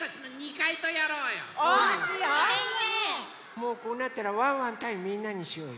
もうこうなったらワンワンたいみんなにしようよ。